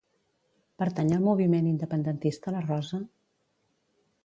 Pertany al moviment independentista la Rosa?